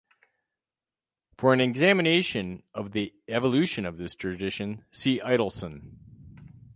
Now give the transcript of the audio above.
For an examination of the evolution of this tradition, see Idelsohn.